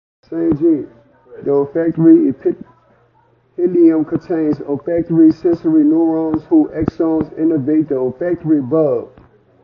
The olfactory epithelium contains olfactory sensory neurons, whose axons innervate the olfactory bulb.